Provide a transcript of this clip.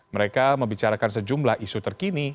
mereka membicarakan sejumlah isu terkini